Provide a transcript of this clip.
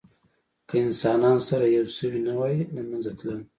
که انسانان سره یو شوي نه وی، له منځه تلل.